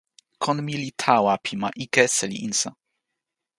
kon mi li tawa pi ma ike seli insa.